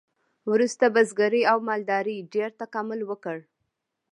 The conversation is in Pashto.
وروسته بزګرۍ او مالدارۍ ډیر تکامل وکړ.